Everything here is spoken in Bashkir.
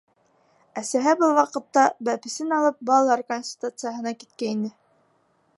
Әсәһе был ваҡытта, бәпесен алып, балалар консультацияһына киткәйне.